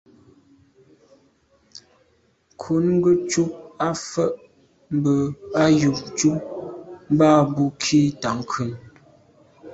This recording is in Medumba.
Ŋkrʉ̀n gə́ cúp à’ fə́ mbə́ á yûp cú mbɑ́ bú khǐ tà’ ŋkrʉ̀n.